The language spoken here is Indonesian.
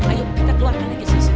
ayo kita keluarkan lagi sisi